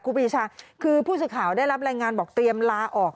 ครูปีชาคือผู้สื่อข่าวได้รับรายงานบอกเตรียมลาออก